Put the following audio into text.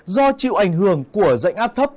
do chịu ảnh hưởng của dạnh áp thấp